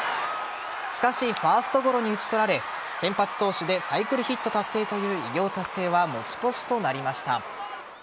しかしファーストゴロに打ち取られ先発投手でサイクルヒット達成という偉業達成は持ち越しとなりました。